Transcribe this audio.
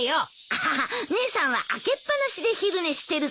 あはは姉さんは開けっ放しで昼寝してるか。